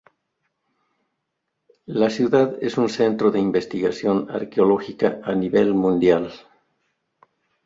La ciudad es un centro de investigación arqueológica a nivel mundial.